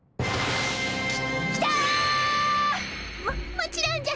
ききた！ももちろんじゃ！